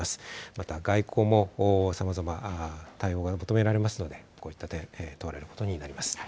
また外交もさまざま対応が求められますのでこういった点、問われることになります。